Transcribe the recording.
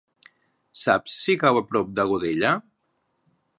Saps si cau a prop de Godella?